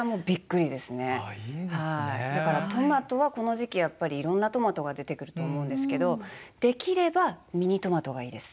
だからトマトはこの時期やっぱりいろんなトマトが出てくると思うんですけどできればミニトマトがいいです。